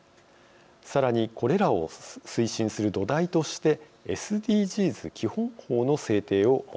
さらにこれらを推進する土台として「ＳＤＧｓ基本法」の制定を求めています。